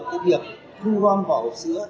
cái việc thu gom vỏ hộp sữa